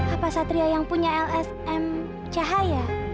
apa satrio yang punya lsm cahaya